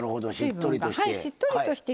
しっとりとして。